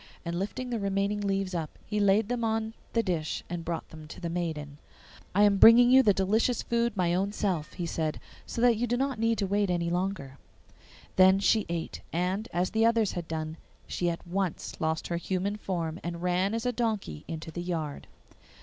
And lifting the remaining leaves up, he laid them on the dish and brought them to the maiden. 'I am bringing you the delicious food my own self,' he said, 'so that you need not wait any longer.' Then she ate, and, as the others had done, she at once lost her human form, and ran as a donkey into the yard.